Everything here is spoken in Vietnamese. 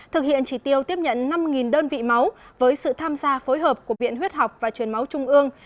thực hiện chỉ tiêu tiếp nhận năm đơn vị máu với sự tham gia phối hợp của viện huyết học và truyền máu trung ương